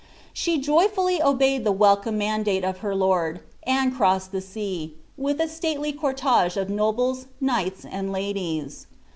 She joyfully obeyed the welcome man date of her lord, and crossed the aea, with a stately cortege of nobiM, Itoights, and Indies.'